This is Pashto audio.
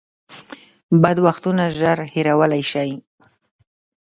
بد وختونه ژر هېرولی شئ .